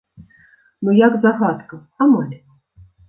Ну як загадка, амаль.